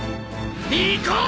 行こう！